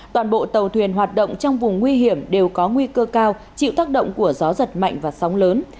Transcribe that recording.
toàn bộ tàu thuyền hoạt động trong vùng nguy hiểm đều có nguy cơ cao chịu tác động của gió giật mạnh và sóng lớn